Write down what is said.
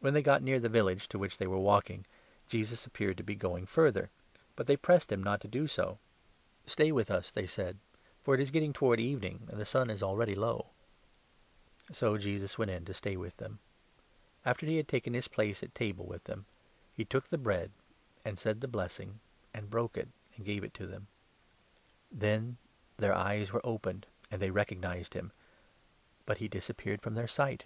When they got near the village to which 28 they were walking, Jesus appeared to be going further ; but 29 they pressed him not to do so. " Stay with us," they said, " for it is getting towards evening, and the sun is already low." So Jesus went in to stay with them. After he had 30 taken his place at table with them, he took the bread and said the blessing, and broke it, and gave it to them. Then their eyes were opened and they recognized him ; but he 31 disappeared from their sight.